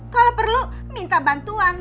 kalau perlu minta bantuan